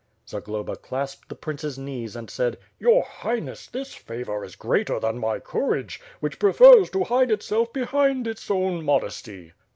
Zagloba clasped the prince's knees and said: "Your Highness, this favor is greater than my couTage, vhieb prefers to hide iteelf behind its own modesty."